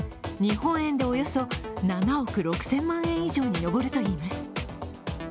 日本円でおよそ７億６０００万円以上に上るといいます。